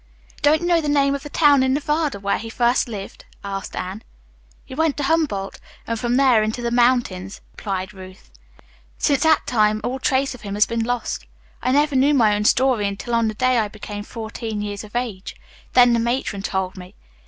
"Don't you know the name of the town in Nevada where he first lived?" asked Anne. "He went to Humboldt, and from there into the mountains," replied Ruth. "Since that time all trace of him has been lost. I never knew my own story until on the day I became fourteen years of age. Then the matron told me.